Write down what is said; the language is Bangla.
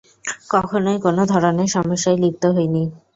কখনোই কোনো ধরনের সমস্যায় লিপ্ত হয় নি।